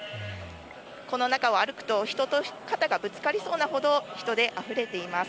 この中を歩くと、人と肩がぶつかりそうなほど人であふれています。